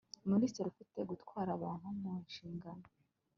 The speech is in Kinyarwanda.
minisitiri ufite gutwara abantu mu nshingano